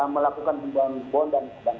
melakukan pembahasan bond dan sebagainya